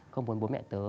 không muốn bố mẹ tớ